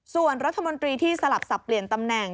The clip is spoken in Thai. ส่วนรัฐมนตรีที่สลับสับเปลี่ยนตำแหน่ง